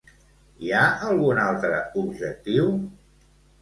Hi ha algun altre objectiu?